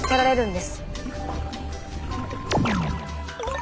で